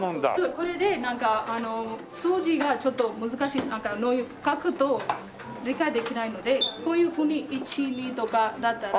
これで数字がちょっと難しい書くと理解できないのでこういうふうに１２とかだったら。